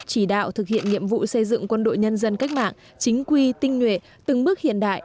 chỉ đạo thực hiện nhiệm vụ xây dựng quân đội nhân dân cách mạng chính quy tinh nhuệ từng bước hiện đại